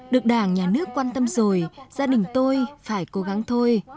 được đảng nhà nước quan tâm rồi gia đình tôi phải cố gắng thôi